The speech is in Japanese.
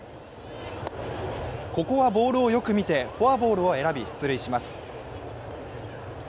ここはボールをよく見てフォアボールを選び出塁します。